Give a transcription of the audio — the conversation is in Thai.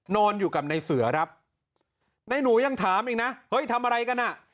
นอนอยู่กับในเสือครับในหนูยังถามอีกนะเฮ้ยทำอะไรกันอ่ะ